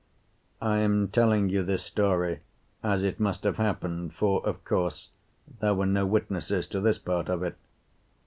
I am telling you this story as it must have happened, for, of course, there were no witnesses to this part of it.